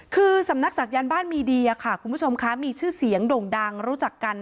คือสำนักศักยันต์บ้านมีเดียค่ะคุณผู้ชมคะมีชื่อเสียงโด่งดังรู้จักกัน